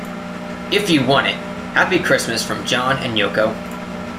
If You Want It - Happy Christmas from John and Yoko.